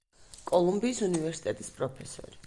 კოლუმბიის უნივერსიტეტის პროფესორი.